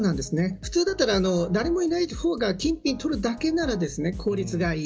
普通だったら誰もいない方が金品を取るだけなら効率がいい。